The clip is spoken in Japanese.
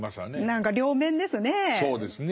何か両面ですね。